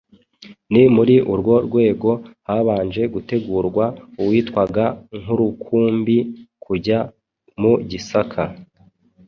ni muri urwo rwego habanje gutegurwa uwitwaga Nkurukumbi kujya mu Gisaka ,